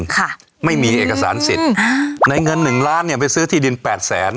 ค่ะไม่มีเอกสารสิทธิ์อ่าในเงินหนึ่งล้านเนี้ยไปซื้อที่ดินแปดแสน